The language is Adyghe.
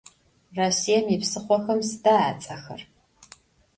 Rossiêm yipsıxhoxem sıda ats'exer?